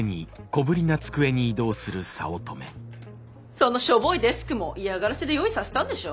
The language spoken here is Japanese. そのしょぼいデスクも嫌がらせで用意させたんでしょ？